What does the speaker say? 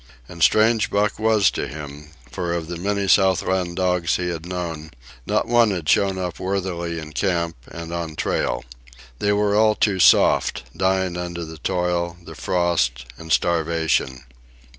And strange Buck was to him, for of the many Southland dogs he had known, not one had shown up worthily in camp and on trail. They were all too soft, dying under the toil, the frost, and starvation.